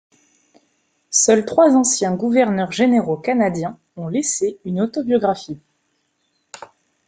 Seuls trois anciens gouverneurs généraux canadiens ont laissé une autobiographie.